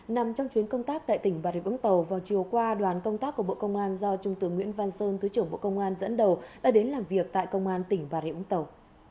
nằm trong chuyến công tác tại tỉnh bà rịa vũng tàu vào chiều qua đoàn công tác của bộ công an do trung tướng nguyễn văn sơn thứ trưởng bộ công an dẫn đầu đã đến làm việc tại công an tỉnh bà rịa vũng tàu